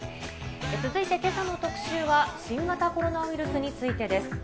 続いて、けさの特シューは、新型コロナウイルスについてです。